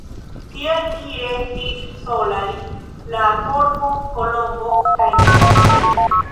Tiel ni restis solaj — la Korvo, Kolombo kaj mi.